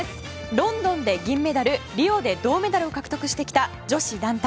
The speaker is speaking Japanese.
ロンドンで銀メダルリオで銅メダルを獲得してきた女子団体。